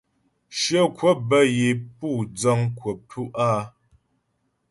Shyə kwəp bə́ yə é pú dzəŋ kwəp tú' áa.